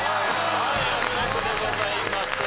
はいお見事でございます。